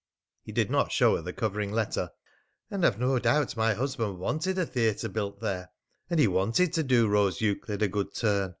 He did not show her the covering letter. "And I've no doubt my husband wanted a theatre built there, and he wanted to do Rose Euclid a good turn.